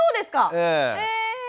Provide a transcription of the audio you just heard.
へえ。